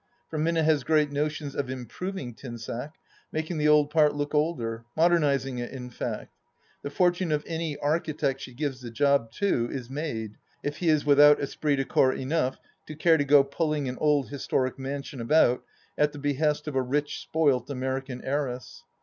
For Minna has great notions of " improving " Tinsack, making the old part look older — modernizing it in fact. The fortune of any architect she gives the job to is made, if he is without esprit de corps enough to care to go pulling an old historic mansion about at the behest of a rich, spoilt American heiress.